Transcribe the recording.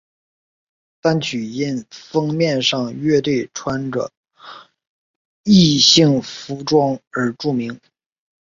单曲因封面上乐队穿着异性服装而著名。